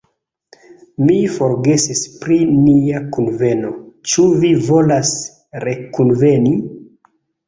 Mi forgesis pri nia kunveno, ĉu vi volas rekunveni?